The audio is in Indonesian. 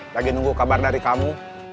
lagi nunggu kabar dari kamu